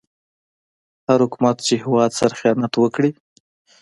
هر حکومت چې هيواد سره خيانت وکړي